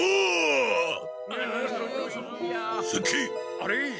あれ？